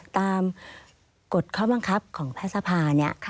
ตามกฎข้อบังคับของแพทย์สภา